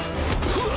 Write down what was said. うわ！